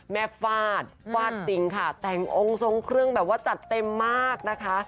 ฟาดฟาดจริงค่ะแต่งองค์ทรงเครื่องแบบว่าจัดเต็มมากนะคะ